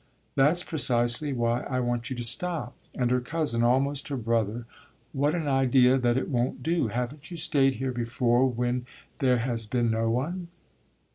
"That's precisely why I want you to stop. And her cousin, almost her brother: what an idea that it won't do! Haven't you stayed here before when there has been no one?"